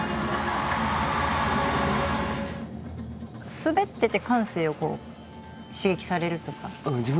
滑ってて感性をこう刺激されるとか？